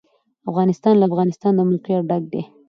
افغانستان له د افغانستان د موقعیت ډک دی.